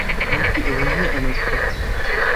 مافی ئەوەی نییە ئەمە بکات.